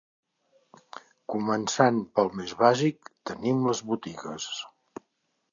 Començant pel més bàsic, tenim les botigues.